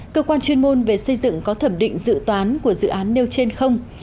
cơ quan chuyên môn về xây dựng có thẩm định dự toán của dự án nêu trên không